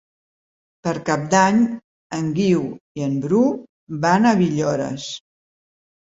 Per Cap d'Any en Guiu i en Bru van a Villores.